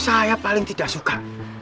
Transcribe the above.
saya paling tidak suka